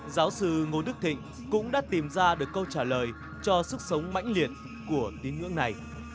giáo sư ngô đức thịnh cũng đã tìm ra được câu trả lời cho sức sống mãnh liệt của tín ngưỡng này